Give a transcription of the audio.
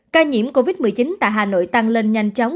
ca nhiễm covid một mươi chín tại hà nội tăng lên nhanh chóng